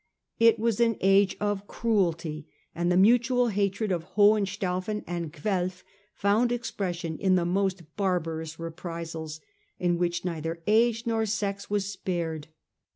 It was an age of cruelty, and the mutual hatred of Hohenstaufen and Guelf found expression in the most barbarous reprisals, in which neither age nor sex was spared.